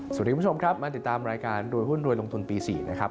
คุณผู้ชมครับมาติดตามรายการรวยหุ้นรวยลงทุนปี๔นะครับ